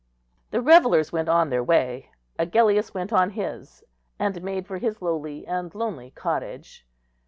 The revellers went on their way; Agellius went on his, and made for his lowly and lonely cottage.